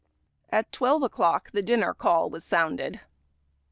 At twelve o'clock the Dinner Call was sounded.